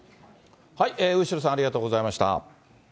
後呂さん、ありがとうございました。